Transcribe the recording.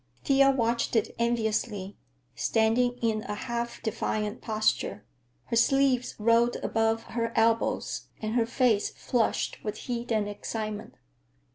Thea watched it enviously, standing in a half defiant posture, her sleeves rolled above her elbows and her face flushed with heat and excitement.